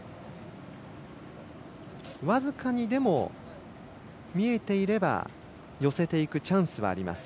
僅かにでも見えていれば寄せていくチャンスはあります。